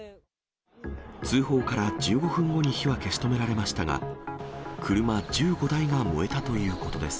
通報から１５分後に火は消し止められましたが、車１５台が燃えたということです。